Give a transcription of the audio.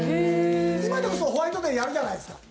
今でもホワイトデーやるじゃないですか。